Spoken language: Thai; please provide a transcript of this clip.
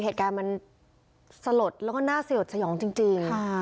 แต่มันสลดแล้วก็น่าสลดสยองจริง